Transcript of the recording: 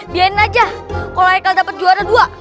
biarin aja kalau haikal dapet juara dua